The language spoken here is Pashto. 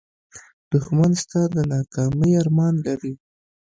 دښمن ستا د ناکامۍ ارمان لري